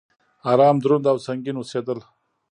ارام، دروند او سنګين اوسيدل